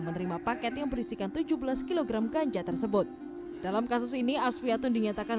menerima paket yang berisikan tujuh belas kg ganja tersebut dalam kasus ini asviatun dinyatakan